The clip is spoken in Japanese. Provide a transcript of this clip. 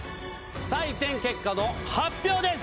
採点結果の発表です！